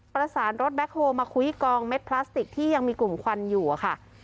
ประสานรถแคคโฮลมาคุยกองเม็ดพลาสติกที่ยังมีกลุ่มควันอยู่ค่ะ